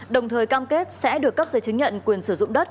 đồng thời cam kết sẽ được cấp giấy chứng nhận quyền sử dụng đất